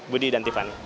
budi dan tiffany